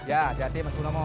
ya siap mas punomo